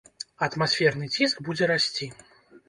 Атмасферны ціск будзе расці.